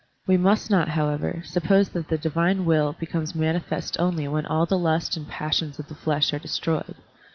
We must not, however, suppose that the divine will becomes manifest only when all the lust and passions of the flesh are destroyed.